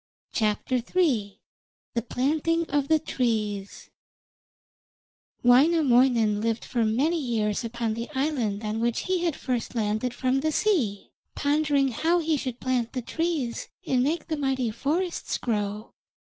THE PLANTING OF THE TREES Wainamoinen lived for many years upon the island on which he had first landed from the sea, pondering how he should plant the trees and make the mighty forests grow.